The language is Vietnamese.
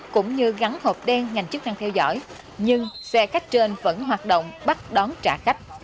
cũng như gắn hộp đen ngành chức năng theo dõi nhưng xe khách trên vẫn hoạt động bắt đón trả khách